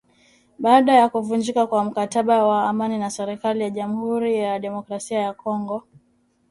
baada ya kuvunjika kwa mkataba wa amani na serikali ya Jamuhuri ya Demokrasia ya Kongo